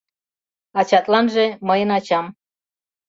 Ачатланже — мыйын ачам.